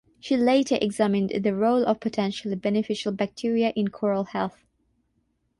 She later examined the role of potentially beneficial bacteria in coral health.